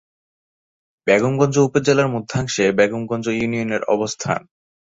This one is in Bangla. বেগমগঞ্জ উপজেলার মধ্যাংশে বেগমগঞ্জ ইউনিয়নের অবস্থান।